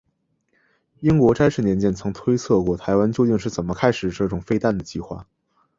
英国詹氏年鉴曾经推测过台湾究竟是怎么开始这种飞弹的计划。